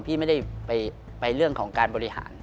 พี่ไม่ได้ไปเรื่องของการบริหาร